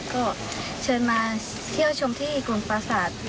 ก็เชิญมาเที่ยวชมที่กลุ่มประสาท